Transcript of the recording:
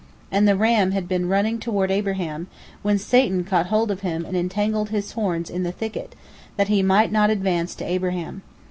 And the ram had been running toward Abraham, when Satan caught hold of him and entangled his horns in the thicket, that he might not advance to Abraham.